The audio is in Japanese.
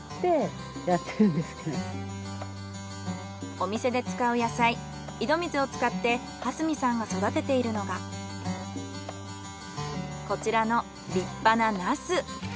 お店で使う野菜井戸水を使って蓮見さんが育てているのがこちらの立派なナス。